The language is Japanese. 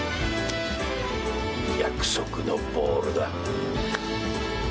約束のボールだ。